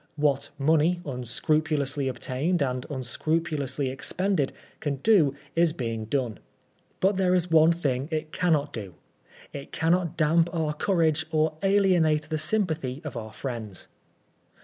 What money, unscrupulously ootained and unscrupulously expended, can do is being done. But there is one thing it cannot do. It cannot damp our courage or alienate the sympathy of our friends.